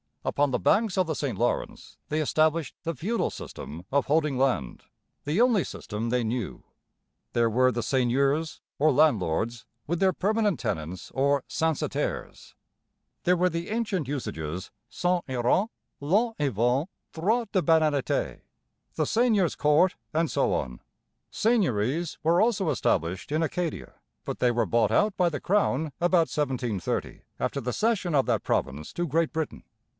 Upon the banks of the St Lawrence they established the feudal system of holding land, the only system they knew. There were the seigneurs, or landlords, with their permanent tenants, or censitaires. There were the ancient usages cens et rentes, lods et ventes, droit de banalité. the seigneurs' court, and so on. Seigneuries were also established in Acadia; but they were bought out by the Crown about 1730, after the cession of that province to Great Britain.